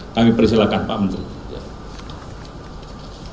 kami persilahkan pak menteri